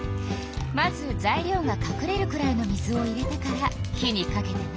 まず材料がかくれるくらいの水を入れてから火にかけてね。